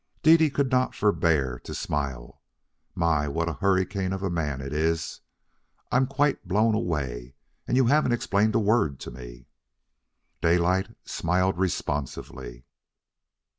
Dede could not forbear to smile. "My, what a hurricane of a man it is. I'm quite blown away. And you haven't explained a word to me." Daylight smiled responsively.